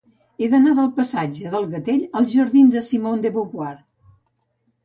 He d'anar del passatge del Gatell als jardins de Simone de Beauvoir.